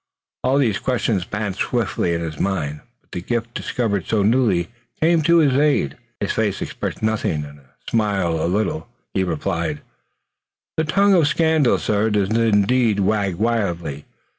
All these questions passed swiftly in his mind, but the gift discovered so newly came to his aid. His face expressed nothing, and smiling a little, he replied: "The tongue of scandal, sir, does indeed wag wildly.